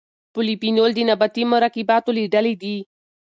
پولیفینول د نباتي مرکباتو له ډلې دي.